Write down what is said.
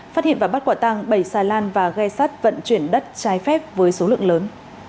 phát hiện và bắt quả tăng bảy xà lan và ghe sắt vận chuyển đất trái phép với số lượng lớn